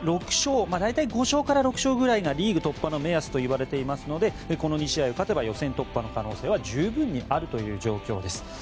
大体５勝から６勝ぐらいがリーグ突破の目安と言われていますのでこの２試合を勝てば予選突破の可能性は十分あるという状況です。